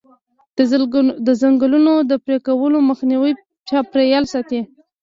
د ځنګلونو د پرې کولو مخنیوی چاپیریال ساتي.